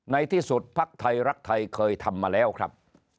ในที่สุดภักดิ์ไทยรักไทยเคยทำมาแล้วครับ